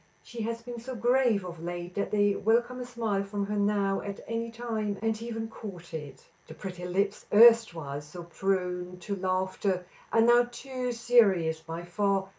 She has been so grave of late that they welcome a smile from her now at any time, and even court k. The pretty lips, erstwhile so prone to laughter, are now too serious by far.